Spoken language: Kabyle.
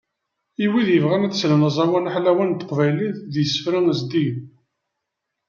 I wid yebɣan ad slen aẓawan aḥlawan n teqbaylit d yisefra zeddigen